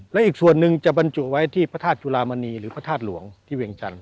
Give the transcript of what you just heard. และอีกส่วนหนึ่งจะบรรจุไว้ที่พระธาตุจุลามณีหรือพระธาตุหลวงที่เวียงจันท